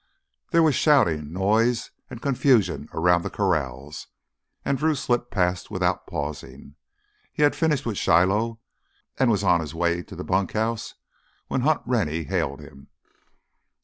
There was shouting, noise, and confusion around the corrals and Drew slipped past without pausing. He had finished with Shiloh and was on his way to the bunkhouse when Hunt Rennie hailed him.